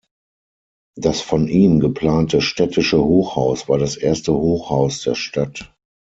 Das von ihm geplante städtische Hochhaus war das erste Hochhaus der Stadt.